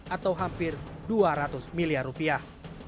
atau hampir dua ratus miliar rupiah